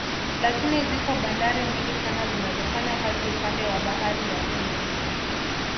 Lakini zipo bandari nyingi sana zinazofanya kazi upande wa bahari ya Hindi